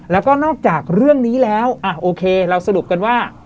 แล้วก็นอกจากเรื่องนี้แล้วโอเคเราสรุปกันว่า